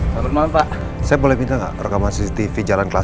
sampai akan menunjukkan dengan adanya